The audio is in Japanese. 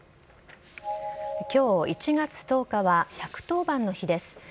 きょう１月１０日は１１０番の日です。